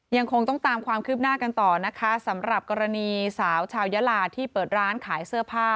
ยังคงต้องตามความคืบหน้ากันต่อนะคะสำหรับกรณีสาวชาวยาลาที่เปิดร้านขายเสื้อผ้า